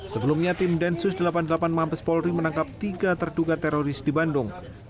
sebelumnya tim densus delapan puluh delapan mabes polri menangkap tiga terduga teroris di bandung